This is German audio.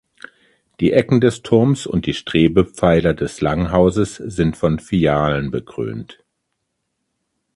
Die Ecken des Turms und die Strebepfeiler des Langhauses sind von Fialen bekrönt.